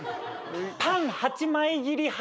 パン８枚切り派